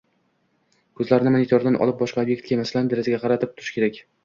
Ko‘zlarni monitordan olib, boshqa ob’ektga, masalan, derazaga qaratib turish kerak.